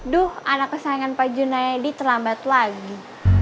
duh anak kesayangan pak junayadi terlambat lagi